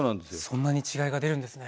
そんなに違いが出るんですね。